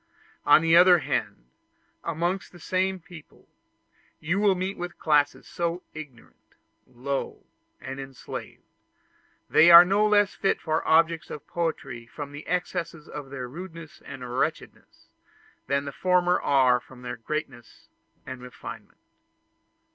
On the other hand, amongst the same people, you will meet with classes so ignorant, low, and enslaved, that they are no less fit objects for poetry from the excess of their rudeness and wretchedness, than the former are from their greatness and refinement.